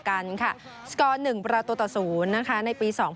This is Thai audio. นอกจากนี้นะคะราชบุรียังเป็นทีมแรกที่บุกมาชนะบริรามถึงถิ่นสองปีติดต่อกันค่ะ